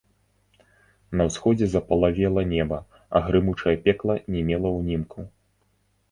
На ўсходзе запалавела неба, а грымучае пекла не мела ўнімку.